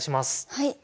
はい。